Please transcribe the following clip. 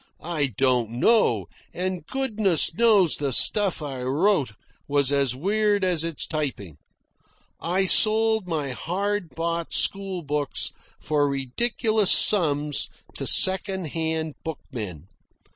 I don't know, and goodness knows the stuff I wrote was as weird as its typing. I sold my hard bought school books for ridiculous sums to second hand bookmen.